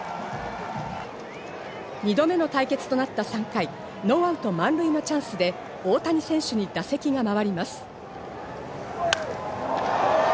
２度目の対決となった３回、ノーアウト満塁のチャンスで大谷選手に打席がまわります。